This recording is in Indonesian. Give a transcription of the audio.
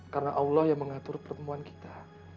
karena allah yang mengatur pertemuan kita